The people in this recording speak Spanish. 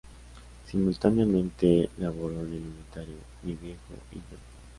Simultáneamente laboró en el unitario "Mi viejo y yo".